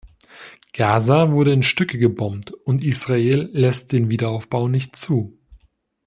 Gaza wurde in Stücke gebombt und Israel lässt den Wiederaufbau nicht zu.